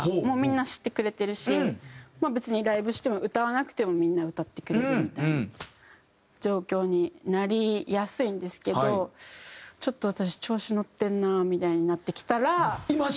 もうみんな知ってくれてるし別にライブしても歌わなくてもみんな歌ってくれるみたいな状況になりやすいんですけどちょっと私調子に乗ってるなみたいになってきたら。